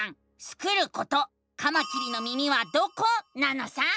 スクること「カマキリの耳はどこ？」なのさ！